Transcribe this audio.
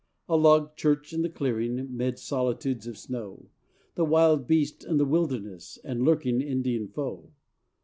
A log church in the clearing 'Mid solitudes of snow, The wild beast and the wilderness, And lurking Indian foe.